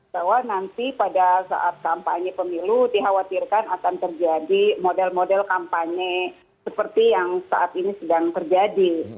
bahwa nanti pada saat kampanye pemilu dikhawatirkan akan terjadi model model kampanye seperti yang saat ini sedang terjadi